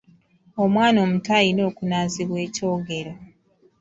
Omwana omuto alina okunaazibwa ekyogero.